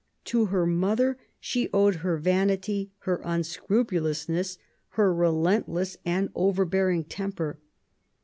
To her mother she owed 6 QUEEN ELIZABETH. her vanity, her unscrupulousness, her relentless and overbearing temper.